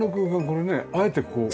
これねあえてこう。